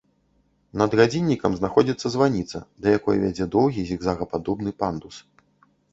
Над гадзіннікам знаходзіцца званіца, да якой вядзе доўгі зігзагападобны пандус.